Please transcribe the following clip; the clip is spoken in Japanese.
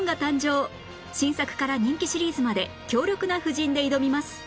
新作から人気シリーズまで強力な布陣で挑みます